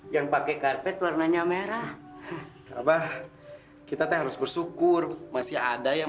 yang pakai karpet warnanya merah apa kita teh harus bersyukur masih ada yang